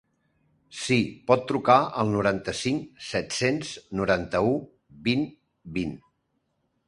Si, pot trucar al noranta-cinc set-cents noranta-u vint vint.